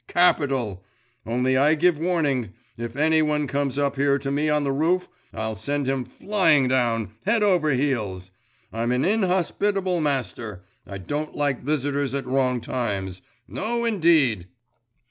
Capital! Only I give warning if any one comes up here to me on the roof, I'll send him flying down, head over heels! I'm an inhospitable master; I don't like visitors at wrong times! No indeed!